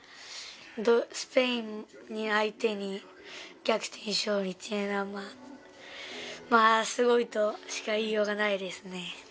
スペイン相手に逆転勝利というのはまあ、すごいとしか言いようがないですね。